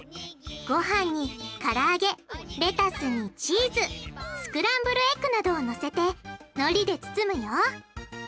ごはんにからあげレタスにチーズスクランブルエッグなどをのせてのりで包むよ！